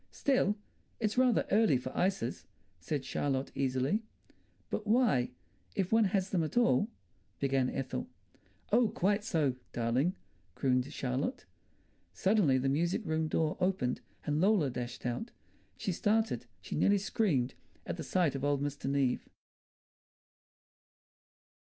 "Still, it's rather early for ices," said Charlotte easily. "But why, if one has them at all...." began Ethel. "Oh, quite so, darling," crooned Charlotte. Suddenly the music room door opened and Lola dashed out. She started, she nearly screamed, at the sight of old Mr. Neave.